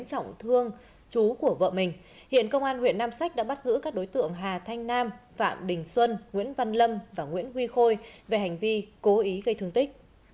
hà thanh nam đã thuê người chém trọng chú của vợ mình hiện công an huyện nam sách đã bắt giữ các đối tượng hà thanh nam phạm đình xuân nguyễn văn lâm và nguyễn huy khôi về hành vi cố ý gây thương tích